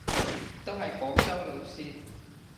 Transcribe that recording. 都係廣州路線